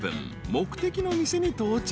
目的の店に到着］